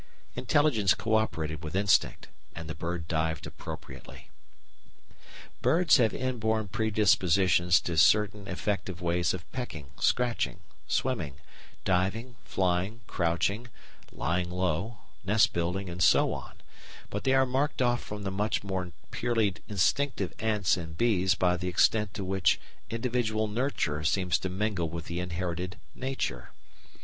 Intelligence cooperated with instinct, and the bird dived appropriately. Birds have inborn predispositions to certain effective ways of pecking, scratching, swimming, diving, flying, crouching, lying low, nest building, and so on; but they are marked off from the much more purely instinctive ants and bees by the extent to which individual "nurture" seems to mingle with the inherited "nature."